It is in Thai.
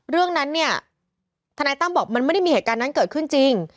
เรื่องนั้นธนายตั้มบอกว่ามันไม่มีเหตุการณ์นั้นเกิดขึ้นจริง